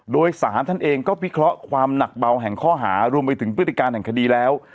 โดยสารท่านเองก็พิเคราะห์ความหนักเบาแห่งข้อหารวมไปถึงพฤติการแห่งคดีแล้ว